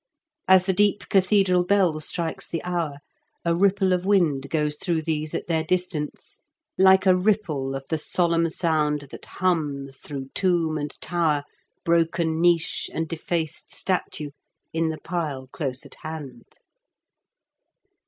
As the deep cathedral bell strikes the hour, a ripple of wind goes through these at their distance, like a ripple of the solemn sound that hums through tomb and tower, broken 56 IN KENT WITH CHABLE8 DICKENS. niche and defaced statue, in the pile close at hand."